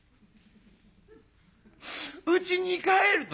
「うちに帰ると」。